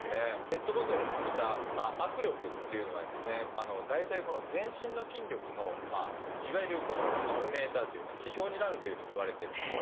ペットボトルのふた握力っていうのはですね大体全身の筋力のいわゆるバロメーターというか指標になるというふうにいわれてるんです。